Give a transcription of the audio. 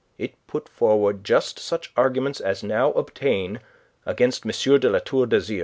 It put forward just such arguments as now obtain against M. de La Tour d'Azyr.